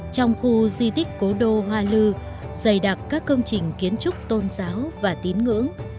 trong khu di tích cố đô hoa lư dày đặc các công trình kiến trúc tôn giáo và tín ngưỡng